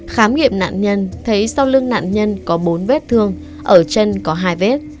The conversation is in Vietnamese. khám nghiệm nạn nhân thấy sau lưng nạn nhân có bốn vết thương ở chân có hai vết